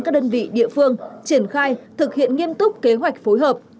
các đơn vị địa phương triển khai thực hiện nghiêm túc kế hoạch phối hợp